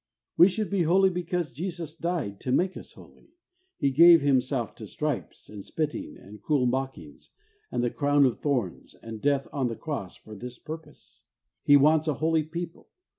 We should be holy because Jesus died to make us holy. He gave Himself to stripes, lO THE WAY OF HOLINESS and spitting, and cruel mockings, and the crown of thorns, and death on the cross for this purpose. He wants a holy people.